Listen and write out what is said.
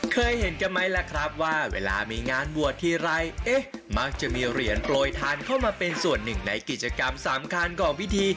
เคยเห็นกันไหมล่ะครับว่าเวลามีงานบวชทีไรเอ๊ะมักจะมีเหรียญโปรยทานเข้ามาเป็นส่วนหนึ่งในกิจกรรมสำคัญของพิธี